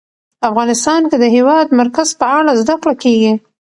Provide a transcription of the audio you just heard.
افغانستان کې د د هېواد مرکز په اړه زده کړه کېږي.